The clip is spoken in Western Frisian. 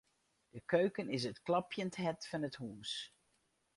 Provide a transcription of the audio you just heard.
De keuken is it klopjend hart fan it hús.